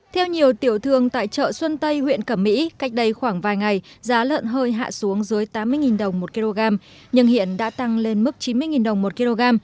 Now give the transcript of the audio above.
theo nhiều tiểu thương tại chợ xuân tây huyện cẩm mỹ cách đây khoảng vài ngày giá lợn hơi hạ xuống dưới tám mươi đồng một kg nhưng hiện đã tăng lên mức chín mươi đồng một kg